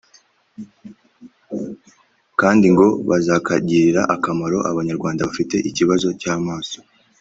kandi ngo bazakagirira akamaro Abanyarwanda bafite ikibazo cy’amaso